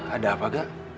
ada apa kak